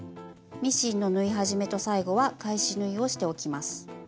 ミシンの縫い始めと最後は返し縫いをしておきます。